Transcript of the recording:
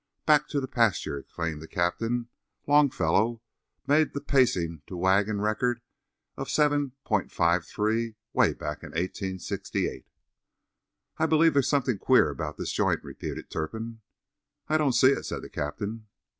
"Back to the pasture!" exclaimed the captain. "Longfellow made the pacing to wagon record of 7.53 'way back in 1868." "I believe there's something queer about this joint," repeated Turpin. "I don't see it," said the captain.